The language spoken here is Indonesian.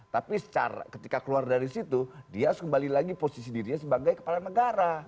tapi ketika keluar dari situ dia harus kembali lagi posisi dirinya sebagai kepala negara